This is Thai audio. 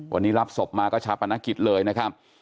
วันนี้รับศพมาก็ฉอปนาคิดเลยนะคะ